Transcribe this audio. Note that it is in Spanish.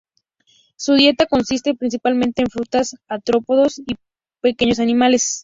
Su dieta consiste principalmente en frutas, artrópodos y pequeños animales.